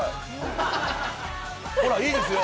ほらいいですよ。